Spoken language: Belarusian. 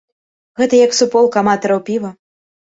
Гэта як суполка аматараў піва.